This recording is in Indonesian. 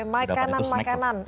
kudapan itu snack